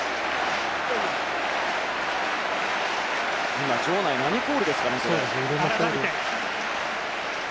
今、場内は何コールですかね。